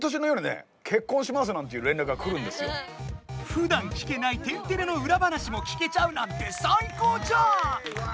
ふだん聞けない「天てれ」の裏話も聞けちゃうなんて最高じゃん！